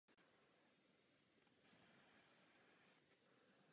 To jsou velmi důležité kroky.